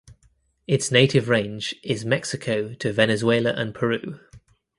Its native range is Mexico to Venezuela and Peru.